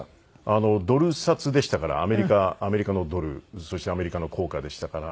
ドル札でしたからアメリカのドルそしてアメリカの硬貨でしたから。